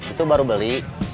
itu baru beli